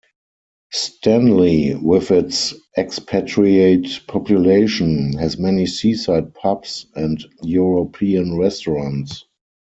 Stanley, with its expatriate population, has many seaside pubs and European restaurants.